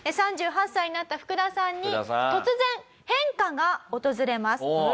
３８歳になったフクダさんに突然変化が訪れます。